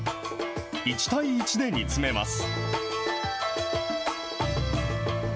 １対１で煮詰めます。